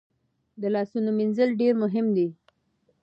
د لاسونو مینځل ډیر مهم دي۔